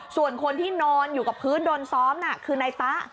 ส่วนคนที่นอนอยู่กับพื้นโดนซ้อมน่ะคือนายตะ